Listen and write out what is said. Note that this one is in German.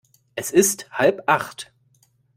Es ist halb acht.